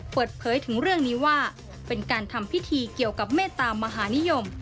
เปิดเผยถึงเรื่องนี้ว่าเป็นการทำพิธีเกี่ยวกับเมตตามหานิยม